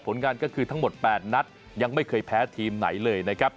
งานก็คือทั้งหมด๘นัดยังไม่เคยแพ้ทีมไหนเลยนะครับ